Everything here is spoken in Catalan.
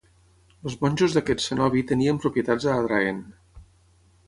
Els monjos d'aquest cenobi tenien propietats a Adraén.